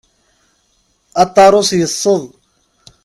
Aṭarus yesseḍ.